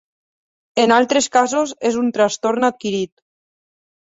En altres casos és un trastorn adquirit.